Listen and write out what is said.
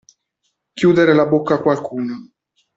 Chiudere la bocca a qualcuno.